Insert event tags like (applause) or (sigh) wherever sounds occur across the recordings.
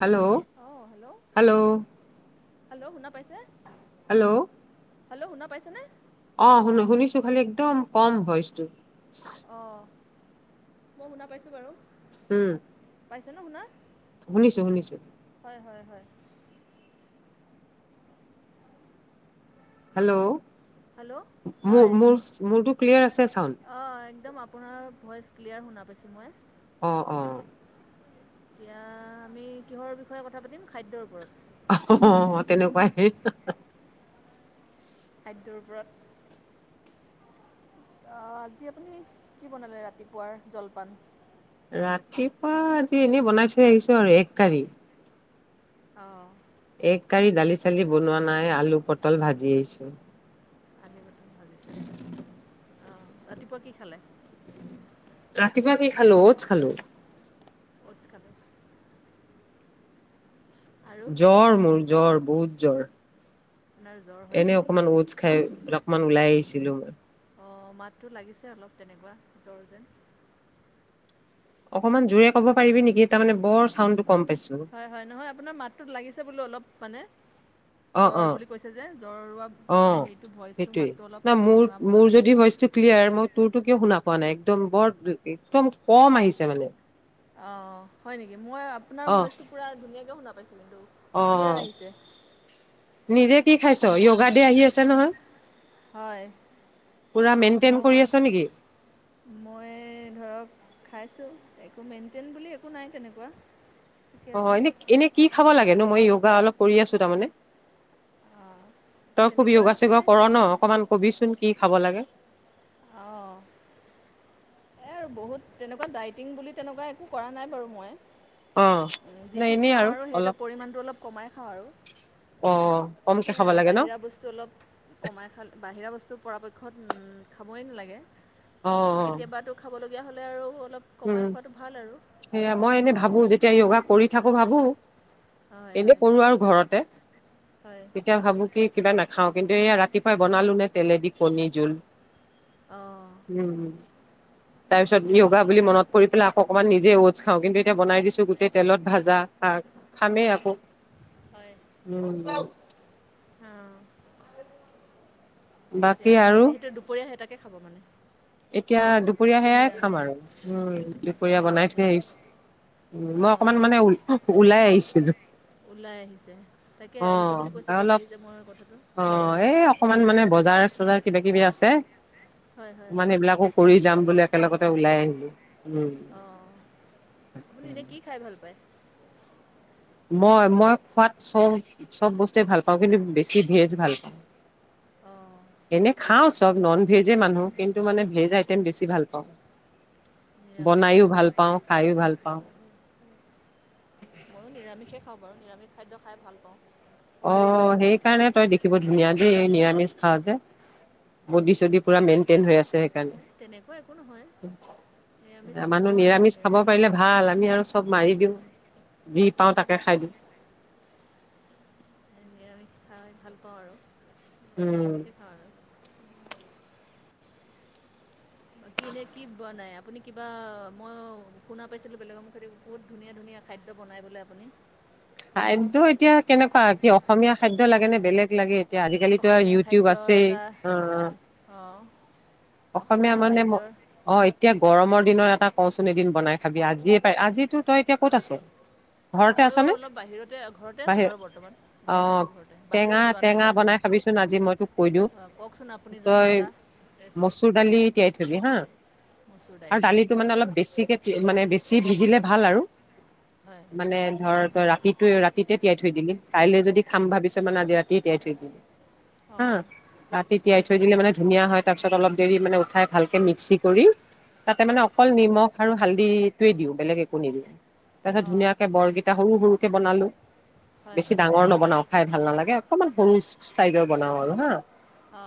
Hello, hello. পাইছা? Hello. Hello শুনা পাইছে নে? অ', শুনো শুনিছো খালি একদম কম ভইচটো। অ', মই শুনা পাইছো বাৰু। উম। পাইছে ন শুনা? শুনিছো শুনিছো। হয় হয় হয়। হেল্ল। হেল্ল' হয় মোৰ - মোৰ মোৰতো ক্লিয়াৰ আছে চাউন। অঁ একদম আপোনাৰ ভইচ ক্লিয়াৰ শুনা পাইছোঁ মই। অঁ, অঁ। এতিয়া আমি কিহৰ বিষয়ে কথা পাতিম, খাদ্যৰ ওপৰত। অহ হ, তেনেকুৱাই। খাদ্যৰ ওপৰত অঁ, আজি আপুনি কি বনালে ৰাতিপুৱাৰ জলপান। ৰাতিপুৱা আজি এনেই বনাই থৈ আহিছো আৰু এগ কাৰী। অঁ। এগ কাৰি দালি চালি বনোৱা নাই আলু পটল ভাজি আহিছো। (unintelligible) অঁ, ৰাতিপুৱা কি খালি। ৰাতিপুৱা কি খালো, ঔৎস খালো। (unintelligible) আৰু জ্বৰ মোৰ জ্বৰ। বহুত জ্বৰ। আপোনাৰ জ্বৰ হৈ আছে এনেই নেকি অকমান ঔৎচ খাই অকমান ওলাই আহিছিলো মই। অঁ, মাতটো লাগিছে অলপ তেনেকুৱা জ্বৰ যেন। অকনমান জোৰে কব পাৰিবি নেকি, তাৰ মানে বৰ চাউণ্ড টো হয়- হয়, নহয় আপোনাৰ মাতটোত লাগিছে বোলো অলপ মানে অঁ, জ্বৰ অঁ বুলি কৈছে যে জ্বৰুৱা - মানে অঁ, হেৰিটো ভইচটো সেইটোৱেই, মাতটো অলপ নহয় ভঙা মোৰ- ভঙা মোৰ যদি লাগিছে ভইচটো ক্লিয়াৰ মই তোৰতো কিয় শুনা পোৱা নাই। একদম বৰ একদম কম আহিছে মানে। অঁ, হয় নেকি। মই আপোনাৰ অ', ভইচটো পূৰা ধুনীয়াকৈ শুনা পাইছোঁ কিন্তু, ক্লিয়াৰ অ', আহিছে। নিজে কি খাইছ সম্পূৰ্ণ য়োগা দে আহি আছে নহয়। হয়। পুৰা মেইনটেইন কৰি আছ মই- নেকি মই ধৰক খাইছোঁ, একো মেইনটেইন বুলি একো নাই তেনেকুৱা। ঠিকে অঁ, আছে এনে- এনে কি খাব লাগে ন, মই য়োগা অলপ কৰি আছো তাৰমানে। অঁ তই খুব তেনেকুৱা য়োগা একো চোগা নাই কৰ ন, অকমান কবিচোন। কি খাব লাগে অঁ। এই আৰু বহুত তেনেকুৱা ডাইটিং বুলি তেনেকুৱা একো কৰা নাই বাৰু মই। অ', উম্ নাই যিটো এনেই খাওঁ আৰু সেইটো অলপ পৰিমানটো অলপ কমাই খাওঁ আৰু অ', কমকে সেইয়াই খাব আৰু লাগে ন বাহিৰা বস্তু অলপ কমাই খাল, বাহিৰা বস্তু টো পৰাপক্ষত খাবই নালাগে। অঁ, অঁ। ক'বলগীয়া হ'লে আৰু অলপ কমাই উম। খোৱাটো ভাল আৰু সেয়া মই এনে ভাবো। যেতিয়া য়োগা কৰি থাকো ভাবো। হয় এনে হয় কৰো আৰু ঘৰতে। হয় এতিয়া ভাবো কি কিবা নথ খাওঁ। কিন্তু এয়া ৰাতিপুৱাই বনালো নে তেলেদি কণী জোল অঁ উম। তাৰপিছত কিবা বুলি মনত পৰিপেলাই আকৌ অকণমান নিজে অ'টচ খাওঁ কিন্তু এতিয়া বনাই দিছো গোটেই তেলত ভাজা। খামেই আকৌ। হয় উম অঁ বাকী এতিয়া আৰু সেইখিনি সেইটো দুপৰীয়া সেইতাকে খাব মানে এ এতিয়া দুপৰীয়া সেয়াই পনীৰ খাম আঞ্জা আৰু। উম। দুপৰীয়া পনীৰ বনাই থৈ আঞ্জা আহিছো। উম। মই অঁ অকমান মানে ওলাই আহিছিলো। ওলাই আহিছে তাকে অ। আহিছোঁ বুলি কৈছে ক'ত অলপ। আহিছে মই কথাটো ওলাই অ' আহিছে এই অকমান মানে বজাৰ-চজাৰ কিবা-কিবি আছে। হয় হয় হয় মানে এইবিলাকো কৰি যাম বুলি, একেলগতে ওলাই আহিলো। উম অ। আপুনি এনে কি খাই ভাল পায়? মই, মই খোৱাত চব-চব বস্তুৱে ভাল পাওঁ। কিন্তু বেছি ভেজ ভাল পাওঁ। অঁ এনে খাওঁ চব। নিৰামিষ ননভেজে মানুহ কিন্তু মানে ভেজ আইটেম বেছি ভাল অহ নিৰামিষ খানা ভাল লাগে। ভাল পাওঁ ময়ো নিৰামিষে খাওঁ বাৰু। নিৰামিষ খাদ্য খাই ভাল পাওঁ। অ' হেই কাৰণে তই দেখিব ধুনীয়া দেই, এই নিৰামিষ খাৱ যে বডি-চডি পুৰা মেইনটেইন হৈ আছে। নাই তেনেকুৱা একো নহয় নিৰামিষ সেইকাৰণে মানুহ খাওঁ আৰু নিৰামিষ খাব পাৰিলে ভাল। আমি আৰু চব মাৰি দিওঁ। যি পাওঁ তাকে খাই দিওঁ। নিৰামিষ খাই ভাল পাওঁ আৰু। এ উম নিৰামিষে খাওঁ আৰু কি এনেই কি বনাই আপুনি কিবা মই শুনা পাইছিলোঁ বেলেগৰ মুখেদি বহুত ধুনীয়া-ধুনীয়া খাদ্য বনাই বোলে আপুনি। খাদ্য এতিয়া কেনেকুৱা কি অসমীয়া খাদ্য লাগে নে বেলেগ লাগে? এতিয়া আজিকালিতো আৰ অসমীয়া ইউটিউব খাদ্যৰ আছেই। এটা অহ অঁ অসমীয়া মানে অ এতিয়া গৰমত এদিনৰ এটা ক'চোন এদিন বনাই খাবি। আজিয়ে পাৰি--আজিতো তই এতিয়া ক'ত আছ? ঘৰতে ময়ো আছনে অলপ বাহিৰতে। ঘৰতে আছো বাহিৰ বাৰু বৰ্তমান। অ ঘৰতে আছো, ঘৰতে। টেঙা বাহিৰত যোৱা নাই। টেঙা বনাই যামহে। খাবিচোন আজি মই তোক কৈ দিওঁ অ'কওকচোন আপুনি জনা তই এটা ৰেচ- মচুৰ দালি তিয়াই থবি হা মচুৰ দাইল আৰু দালিটো মানে অলপ বেছিকে মানে বেছি ভিজিলে ভাল আৰু। হয় মানে ধৰ তই ৰাতি তই ৰাতিতে তিয়াই থৈ দিলি কাইলৈ যদি খাম ভাবিছ মানে আজি ৰাতিয়ে তিয়াই থৈ দিলি হা অঁ ৰাতি তিয়াই হয় থৈ দিলে মানে ধুনীয়া হয় তাৰ পিছত অলপ দেৰি মানে উঠাই ভালকে মিক্সি কৰি তাতে মানে হয় অকল নিমখ আৰু হাল্দিটোৱে দিওঁ বেলেগ একো নিদিয়ে তাৰ পিছত অঁ ধুনীয়াকে বৰকিটা সৰু সৰু বনালো হয় বেছি ডাঙৰ নবনাও খাই ভাল নালাগে অকমান সৰু চাইজৰ বনাও আৰু হা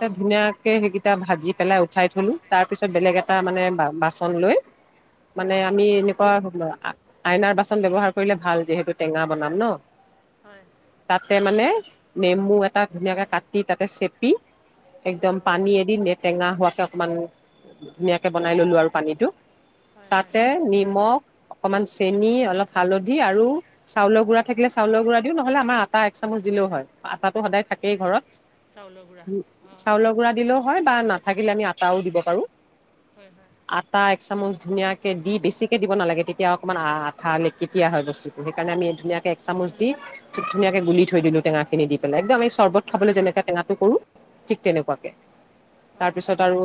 এ ধুনীয়াকে হেকিটা এটা ভাজি পেলাই উঠাই থলো তাৰ তাৰ পিছত বেলেগ এটা মানে অঁ বা বাচন লৈ মানে হয় আমি এনেকুৱা আইনাৰ বাচন ব্যৱহাৰ কৰিলে ভাল যিহেতু টেঙা বনাম ন হয় তাতে মানে নেমু এটা এটা ধুনীয়াকে কাটি তাতে চেপি পি একদম অঁ পানী টেঙা হোৱাকে অকমান ধুনীয়াকে বনাই ললো আৰু পানীটো হয় হয় তাতে নিমখ অকণমান চেনি অলপ হালধি আৰু চাউলৰ গুড়া থাকিলে চাউলৰ গুড়া দিওঁ নহলে আমাৰ আটা এক চামুচ দিলেও হয় আটাটো সদায় থাকেই ঘৰত। চাউলৰ গুড়া উ অঁ চাউলৰ গুড়া দিলেও বা নাথাকিলে আমি আটাও দিব পাৰো। হয় হয় আটা এক এচামুচ ধুনীয়াকে দি বেছিকে দিব নালাগে। তেতিয়া অকণমান আঠা লেকেতিয়া হয়। বস্তুটো সেইকাৰণে আমি ধুনীয়াক এক চামুচ অঁ দি যি ধুনীয়াকে গুলি থৈ দিলো টেঙাখিনি দি পেলাই একদমেই চৰ্বত খাবলৈ যেনেকে টেঙাটো কৰো। ঠিক তেনেকোৱাকে তাৰ অঁ পিছত আৰু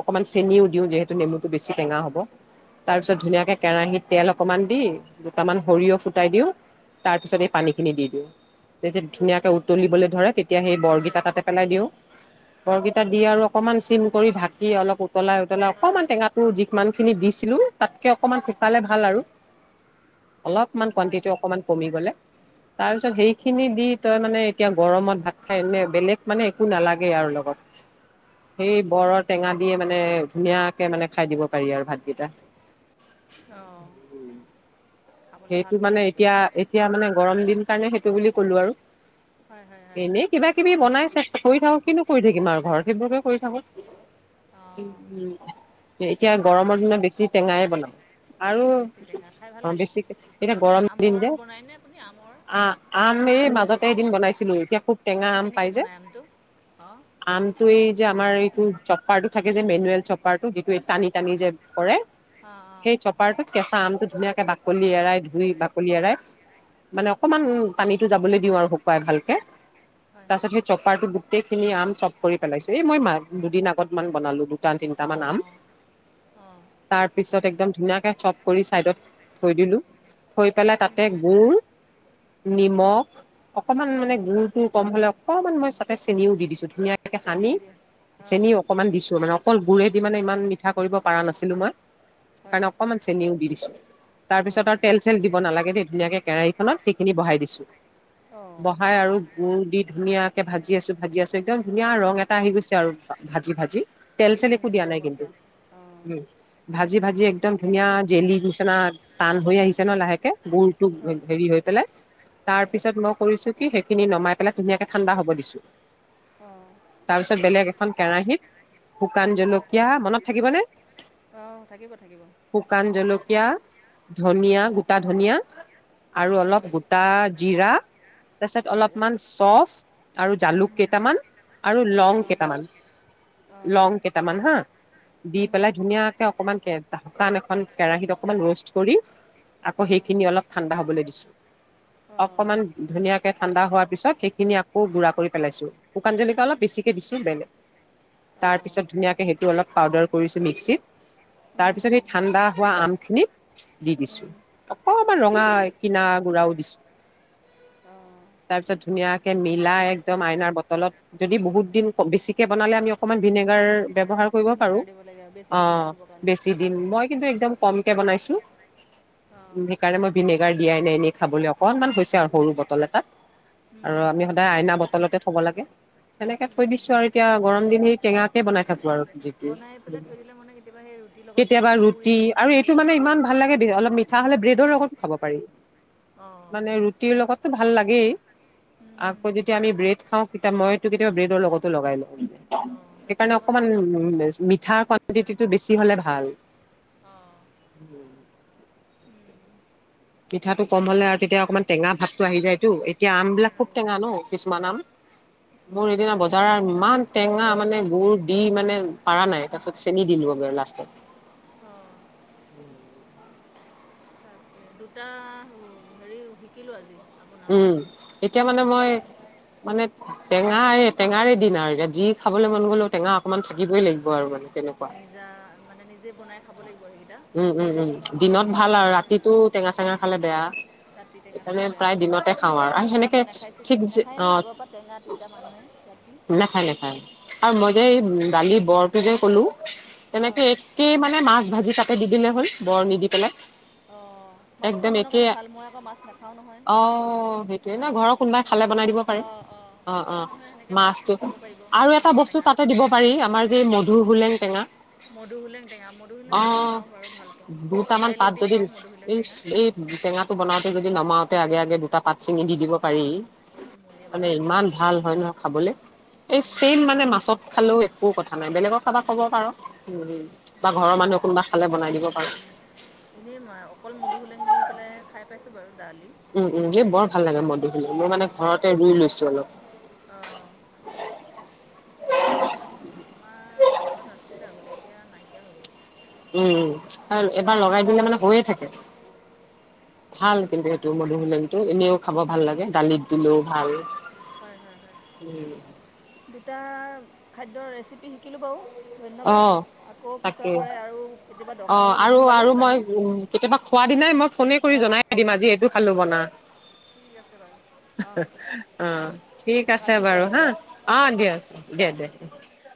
অকমান চেনিও দিও যিহেতু নেমুটো বেছি টেঙা হব তাৰ পিছত ধুনীয়াকে কেৰাহিত তেল অকমান দি দুটামান সৰিয়হ ফুটাই দিওঁ তাৰ পিছত এই পানীখিনি দি দিওঁ তেতিয়া ধুনীয়াকে উতলিবলৈ ধৰে তেতি এতিয়া সেই হয় বৰগেইটা তাতে পেলাই দিওঁ বৰগীত তাত দি আৰু অকণমান চিম কৰি ঢাকি অলপ উ উতলাই উতলাই হয় অকমান টেঙাটোৰ যি। কিমানখিনি দিছিলোঁ তাত কে অকণমান শুকালে ভাল আৰু অলপমান হয় কোৱাণ্টিটি অকণমান কমি গ'লে তাৰ পিছত সেইখিনি দি তই মানে এতিয়া গৰমত ভাত খাই এনে বেলেগ মানে একো নালাগে আৰু লগত সেই বৰৰ টেঙা দিয়ে মানে ধুনীয়াকে মানে খাই দিব পাৰি আৰু ভাতকেইটা অঁ উম খাবলৈ সেইটো ভাল হ'ব মানে এনেকৈ এতিয়া এতিয়া মানে গৰম দিন কাৰণে সেইটো বুলি ক'লো আৰু হয় হয় হয় এনেই কিবা কিবি বনাই চেষ্টা কৰি থাকো কিন্তু কৰি থাকিম আৰু ঘৰত। সেইবোৰকে কৰি থাকো উম অঁ উম এতিয়া গৰমৰ দিনত বেছি টেঙাই বনাম। আৰু বেছি টেঙা খাই ভাল অ লাগে বেছিকে এতিয়া গৰম দিন আমৰ যে বনায়নে আপুনি আমৰ আ আম এই মাজত সেই এদিন বনাইছিলো এতিয়া খুব। টেঙা আম কেনেকে পাই যে বনাইম আমটো। আমটো এই যে আমাৰ এইটো চপাৰটো থাকে যে মেনুৱেল চপাৰটো যিটোৱে টানি টানি হয় যে হয় কৰে অঁ অঁ সেই চপাৰটোত কেঁচা আমটো ধুনীয়া বাকলি এৰাই ধুই বাকলি এৰাই মানে অকমান পানীটো যাবলৈ দিওঁ আৰু শুকুৱাই ভালকে হয় হয় তাৰপাছত সেই চপাৰটো গোটেই খিনি আম চপ কৰি পেলাইছো এই মই মাক দুদিন আগত মান বনালো। দুটা, তিনিটামান আম অঁ তাৰপিছত একদম ধুনাকে চব কৰি চাইডত থৈ দিলো থৈ পেলাই তাতে অঁ গুুৰ নিমখ অকমান মানে গুডুৰ তটো কম হলে অকণমান মই তাতে চেনিও দি দিছো ধুনীয়া তাকে চেনী সানি উলিয়াই অঁ চেনি অকনমান দিছো মানে অকল গুৰেেদি মানে ইমান মিঠা কৰিব পৰা নাছিলো মই হয় কাৰণে অকমান চেনিও দি দিছো তাৰপিছত অঁ আৰু তেল চেল দিব নালাগে দেই ধুনীয়াকে কেৰাহীখনত সেইখিনি বহাই দিছো অঁ বহাই আৰু মৰ দি ধুনীয়াকে ভাজি আছো ভাজি আছো একদম ধুনীয়া ৰং এটা আহি গৈছে আৰু ভাজি ভাজি তেল চল একো দিয়া নাই কিন্তু ৰঙচুৱা অঁ ভা যি ভাজি ভাজি একদম ধুনীয়া জেলি নিচিনা টান হৈ আহিছে ন লাহেকে গুৰটো হয় হেৰি হৈ পেলাই তাৰ হয় পিছত মই কৰিছো কি সেইখিনি নমাই পেলাই ধুনীয়াকে ঠাণ্ডা হব দিছো অ। তাৰপিছত বেলেগ এখন কেৰাহিত। শুকান হুম, জলকীয়া মানত। থাকিবনে। অঁ থাকিব থাকিব। শুকান জলকীয়া ধনিয়া গোটা ধনিয়া। আৰু অঁ অলপ গোটা জিৰা। তাৰপিছত গোটা জিৰা অলপমান চফ আৰু হুম, জালুক হুম, কেইটামান। আৰু লং অঁ কেইটামান অঁ লং কেইটামান হা দি হুম, হুম, পেলাই হুম, ধুনীয়াকে অকমান কে হ। টান এখন কেৰাহীত অকমান ৰোষ্ট কৰি। আকৌ অঁ সেইনি অলপ ঠাণ্ডা হবলৈ দিছো। অঁ অকমান ধুনীয়াকে। ঠাণ্ডা হোৱাৰ পিছত সেইখিনি আক গু়া কৰি পেলাইছো। শুকান জলকীয়া অলপ বেছিকে দিছো বেলেগ। তাৰ অঁ পিছত ধুনীয়াকে সেইটো অলপ। পাউদাৰ কৰিছো মিক্সিত হুম, তাৰ হুম, পিছত সি হুম, ঠাণ্ডা হোৱা আমখিনিত। দি হুম, দিছো হুম, অকণমান। অকনমান ৰঙা কিনা গুড়াও দিছো। অঁ তাৰপিছত ধুনীয়াকে। মিলা একদম আইনাৰ ব। তলত যদি বহুত দিন বেছি। বনে আমি অকমান থাকিবলৈ ভিনেগাৰ ব্যৱহাৰ কৰিব পাৰো। ভিনেগাৰ দিব লাগে আৰু বেছি অ দিন ৰাখিবৰ কাৰণে বেছি দিন মই কি একদম। কমকে বনাইছো। অঁ সেইকাৰণে মই। ভিনেগাৰ দিয়াই নাই এনেই খাবলৈ অকনমান হৈছে। আৰু সৰু বটল এটাত হুম, আৰু হুম, আমি হুম, সদায় আইনা বটলতে। হ'ব লাগে সেনেকে থৈ হুম, দিছো আৰু এতিয়া গৰম দিন টেঙাকে বনাই থাকো আৰু। আহিলে বনাই পেলাই থৈ দিলে মানে কেতিয়াবা সেই ৰুটিৰ লগত কেতিয়াবা পুৰিৰ ৰুটি লগত আৰু সেনেকৈ এইটো মানে ইমান পুৰি ভাল লাগে অলপ মিঠা হলে ব্ৰেড। লগত খাব পাৰি। অঁ মানে ৰুটিৰ লগত। ভাল লাগেই। আকৌ উম, যদি ব্ৰেড। খাওঁ কিতাপ মইো কেতিাবা ব্ৰেডৰ লগত লগাই লওঁ। অঁ তাতে সেইকাৰণে আকৌ অকমান অলপ উ মিঠা ক তিটো বেছি হলে ভাল অঁ পিঠাটো কম হ'লে আৰু তেতিয়া অকমান টেঙা ভাৱটো আহি যায়তো এতিয়া আম বিলাক খুব লাগে যে। টেঙা ন কিছুমান আম মোৰ কিছুমান টেঙা থাকে সিদিনাবজাৰৰ হয় ইমান টেঙা মানে গুডুৰ দি মানে পাৰ নাই তাৰপিছত চেনি দিলো বাৰু লাষ্টত অ তাকে দুটা হেৰি শিকিলো আজি আপোনাৰ পৰা উম এতিয়া মানে মই মানে টেঙা টেঙাৰে দিন আৰু এতি যি খাবলৈ মন গ'লেও টেঙা অকনমান থাকিবই লাগিব আৰু মানে তেনেক নিজা মানে নিজে বনাই খাব লাগিব সেইকেইটা উম উম উম দিনত ভাল আৰু তেতিয়া ৰাতিটো টেঙা চেঙা খালে বেয়া ৰাতি টেঙা সেইকাৰণে খালে বেয়া প্ৰায় বাৰু দিনতে খাওঁ আৰু আৰু আগৰ সেনেকে দিনত নাখাইছিল ঠিক যে নাখায়েই অ ন আগৰ পৰা টেঙা তিতা মানুহে ৰাতি নাখায় নাখায় আৰু মই যে উম, দালি বৰটো যে কলো তেনেকে অঁ একেই মানে মাছ ভাজি থাক ততে দি দিলে হ'ল বৰ নি দি পেলাই অঁ মাছ খোৱা একদম মানুহৰ একে কাৰণে ভাল মই আকৌ মাছ নাখাওঁ নহয় অ সেইটোয়ে ন ঘৰৰ অঁ কোনোবাই খালে বনাই দিব পাৰাৰে অঁ অঁ অ মাছ অ খোৱা মানুহে সেনেকৈ মাছ দি মাছটো খাব পাৰিব আৰু এটা মাছৰ বস্তু টেঙা তাতে দিব পাৰি আমাৰ যে মধু হোলেং টেঙা মধু হু লং দেঙা মধু অ টেঙা খাওঁ বাৰু ভাল পাওঁ দুটামান দাইলত পাত দি যদি খাওঁ মধুসোলেং এই টেঙা এই টেঙাটো বনাওতে যদি নমাওঁতে আগে আগে দুটা পাত চিঙি দি দিব পাৰি উম, কোমলীয়া মানে পাত ইমান ভাল হয় নহয় খাবলে এই উম, চেইম মানে মাছত খালেও একোৰ কথা নাই বেলেগৰ কাৰাবাক ক'ব প একে উমম বা ঘৰৰ মানুহে অঁ কোনোবা খালে বনাই দিব উম পাৰো উম এনেই মই অকল মধু হোলেং দি পেলাই খাই পাইছো বাৰু দালি উম উম এই বৰ দাইলত ভাল লাগে মই দেখিলে মই মানে অঁ ঘৰতে ৰুই লৈছো অলপ মই দুফুলন তোমাৰ ঘৰত আছিল আগতে এতিয়া নাইকিয়া হৈ গ'ল উম আৰু এবাৰ লগাই দিলে মানে হৈয়ে থাকে ভাল কিন্তু সেইটো মধুসুলনটো এনেও খাব ভাল লাগে দালিত দিলেও ভাল হয় হয় হয় দুটা খাদ্যৰ ৰেচিপি শিকিলোঁ বাৰু অ ধন্যবাদ আকৌ পিছৰ তাকেই পৰে আৰু কেতিয়াবা অ দৰকাৰ হ'লে আৰু সুধিম বাৰু আৰু মই জানিম উ কেতিয়াবা খোৱা দিনাই মই ফোনে কৰি অঁ জনাই দিম আজি এইটো খালো বনা ঠিক আছে বাৰু অঁ অ অঁ ঠিক আছে ৰাখিছোঁ বাৰু হা আজিলৈ অঁ অ দিয় দেিয় দে উ